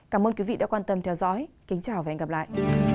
cảm ơn quý vị đã quan tâm theo dõi kính chào và hẹn gặp lại